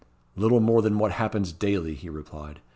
"Little more than what happens daily," he replied.